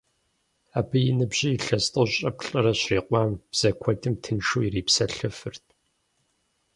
Абы и ныбжьыр илъэс тӀощӀрэ плӀырэ щрикъуам, бзэ куэдым тыншу ирипсэлъэфырт.